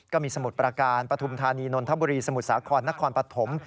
ก็มีสมุดประการปฐุมธานีนทบุรีสมุดสาขอนนครปฐม